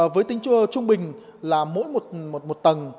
với tính chung bình là mỗi một tầng